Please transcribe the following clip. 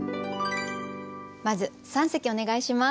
まず三席お願いします。